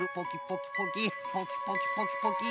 ポキポキポキポキ。